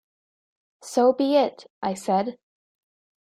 "So be it," I said.